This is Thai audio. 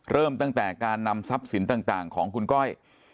เริ่มตั้งแต่การนำทรัพย์สินต่างของคุณก้อย